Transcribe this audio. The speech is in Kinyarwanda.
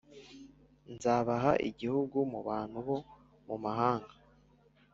Nzabaha igihugu mu bantu bo mu mahanga